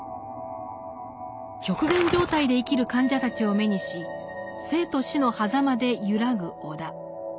極限状態で生きる患者たちを目にし生と死のはざまで揺らぐ尾田。